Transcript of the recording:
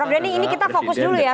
prof denny ini kita fokus dulu ya